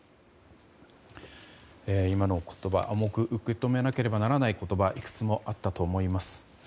今の言葉、重く受け止めなければならない言葉いくつもあったと思います。